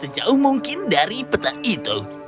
aga seperti nyawai atau sekata itu